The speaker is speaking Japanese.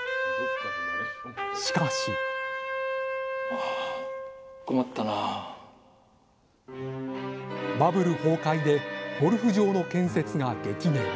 しかしバブル崩壊でゴルフ場の建設が激減。